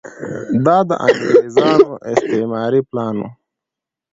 دا د انګریزانو استعماري پلان و.